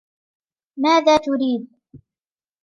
ماذا تريد ؟